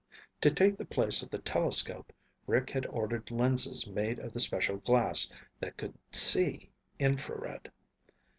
To take the place of the telescope, Rick had ordered lenses made of the special glass that could "see" infrared.